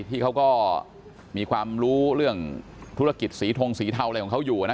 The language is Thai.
ที่เขาก็มีความรู้เรื่องธุรกิจสีทงสีเทาอะไรของเขาอยู่นะ